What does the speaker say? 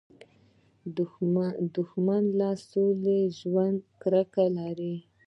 دښمن له سوکاله ژوند نه کرکه لري